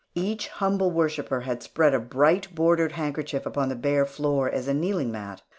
Each humble worshipper had spread a bright bordered handkerchief upon the bare floor as a kneeling mat.